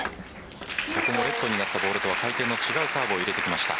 ここもレットになったボールとは回転が違うサーブを入れてきました。